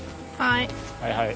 はい。